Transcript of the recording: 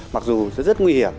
mặc dù rất nguy hiểm